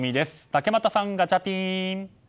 竹俣さん、ガチャピン！